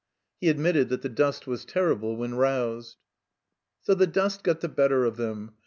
He admitted that the dust was terrible when roused. So the dust got the better of them.